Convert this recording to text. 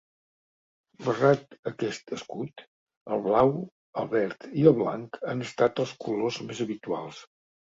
Barrat aquest escut, el blau, el verd i el blanc han estat els colors més habituals.